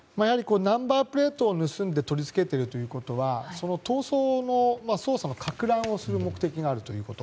ナンバープレートを盗んで取り付けているということはその逃走の捜査のかく乱をする目的があるということ。